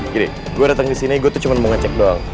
gini gue datang ke sini gue tuh cuma mau ngecek doang